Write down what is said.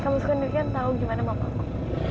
kamu sepenuh diri kan tahu gimana mama aku